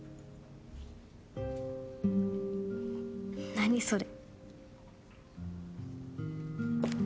何それ。